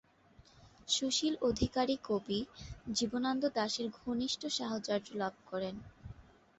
সুশীল অধিকারী কবি জীবনানন্দ দাশের ঘনিষ্ঠ সাহচর্য লাভ করেন।